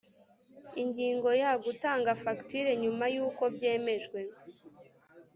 Ingingo yo Gutanga fagitire nyuma y’ uko byemejwe